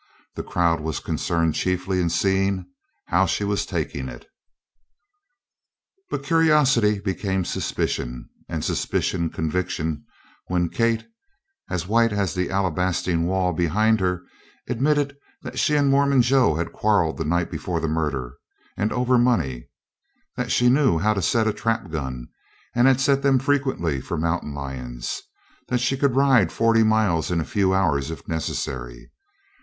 The crowd was concerned chiefly in seeing "how she was taking it." But curiosity became suspicion and suspicion conviction, when Kate, as white as the alabastine wall behind her, admitted that she and Mormon Joe had quarreled the night before the murder, and over money; that she knew how to set a trap gun and had set them frequently for mountain lions; that she could ride forty miles in a few hours if necessary.